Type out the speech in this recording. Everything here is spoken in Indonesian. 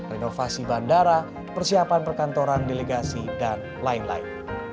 renovasi bandara persiapan perkantoran delegasi dan lain lain